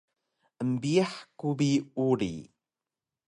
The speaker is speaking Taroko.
Embiyax ku bi uri